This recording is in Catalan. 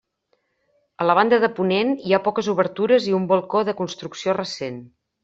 A la banda de ponent hi ha poques obertures i un balcó de construcció recent.